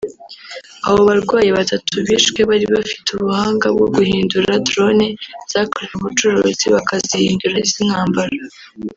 Abo barwanyi batatu bishwe bari bafite ubuhanga bwo guhindura drone zakorewe ubucuruzi bakazihindura iz’intambara